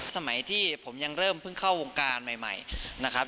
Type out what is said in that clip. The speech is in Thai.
สมัยที่ผมยังเริ่มเพิ่งเข้าวงการใหม่นะครับ